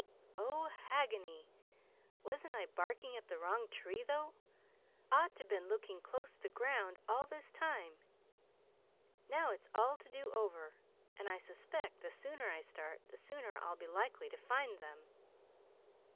"Oh, hagginy! Wasn't I barking up the wrong tree, though? Ought to been looking close the ground all this time. Now it's all to do over, and I suspect the sooner I start the sooner I'll be likely to find them."